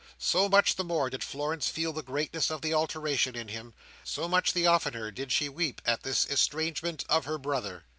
So much the more did Florence feel the greatness of the alteration in him; so much the oftener did she weep at this estrangement of her brother.